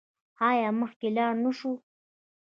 آیا مخکې لاړ نشو؟